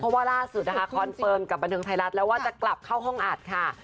เพราะว่าล่าสุดนะคะคอนเฟิร์มกับบันเทิงไทยรัฐแล้วว่าจะกลับเข้าห้องอัดค่ะ